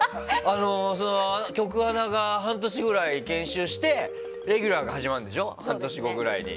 局アナが半年ぐらい研修してレギュラーが始まるんでしょ半年後ぐらいに。